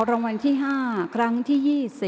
รางวัลที่๕ครั้งที่๒๐